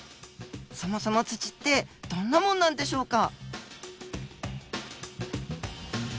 そもそも土ってどんなもんなんでしょうか？